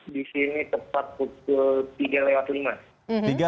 di sini tepat pukul tiga lewat lima